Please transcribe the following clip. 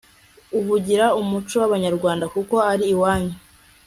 uvugira umuco wabanyarwanda kuko ari iwanyu